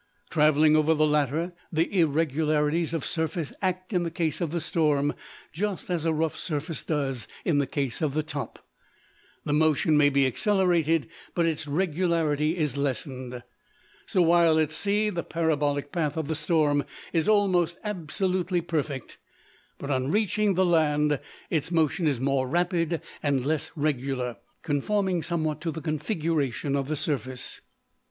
Traveling over the latter, the irregularities of surface act in the case of the storm just as a rough surface does in the case of the top. The motion may be accelerated, but its regularity is lessened. So while at sea the parabolic path of the storm is almost absolutely perfect, but on reaching the land its motion is more rapid, and less regular, conforming somewhat to the configuration of the surface.